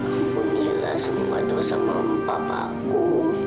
kumpulilah semua dosa mama papa aku